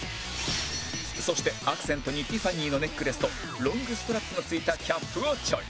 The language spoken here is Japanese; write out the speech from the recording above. そしてアクセントに Ｔｉｆｆａｎｙ のネックレスとロングストラップの付いたキャップをチョイス